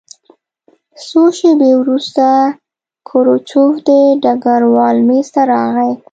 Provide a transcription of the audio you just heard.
څو شېبې وروسته کروچکوف د ډګروال مېز ته راغی